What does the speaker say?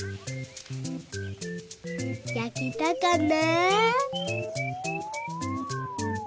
やけたかな？